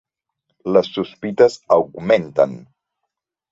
Les sospites augmenten.